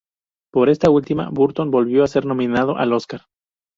Por esta última, Burton volvió a ser nominado al Óscar.